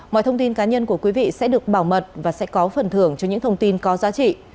mọi thông tin cá nhân của quý vị sẽ được bảo mật và sẽ có phần thưởng cho những thông tin có giá trị